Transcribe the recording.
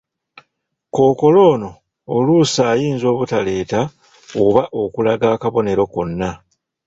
Kookolo ono oluusi ayinza obutaleeta oba okulaga akabonero konna